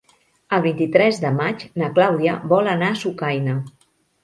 El vint-i-tres de maig na Clàudia vol anar a Sucaina.